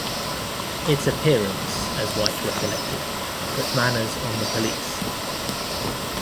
Its appearance, as White recollected, "put manners on the police".